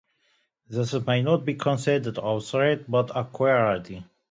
This may not be considered authority but equality.